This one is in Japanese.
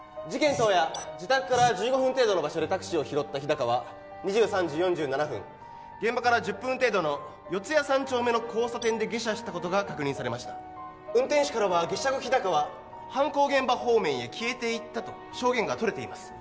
当夜自宅から１５分程度の場所でタクシーを拾った日高は２３時４７分現場から１０分程度の四谷三丁目の交差点で下車したことが確認されました運転手からは下車後日高は犯行現場方面へ消えていったと証言が取れています